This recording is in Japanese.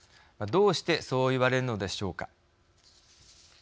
どうしてそう言われるのでしょうか。